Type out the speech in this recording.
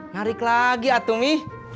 narik lagi atau mi